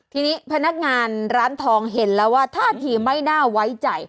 ทีนี้พนักงานร้านทองเห็นแล้วว่าท่าทีไม่น่าไว้ใจ